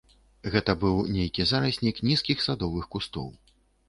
Гэта быў нейкі зараснік нізкіх садовых кустоў.